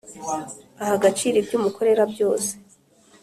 Aha agaciro ibyo umukorera byose